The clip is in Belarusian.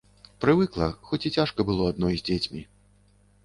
Прывыкла, хоць і цяжка было адной з дзецьмі.